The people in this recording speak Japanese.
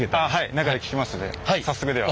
中で聴けますんで早速では。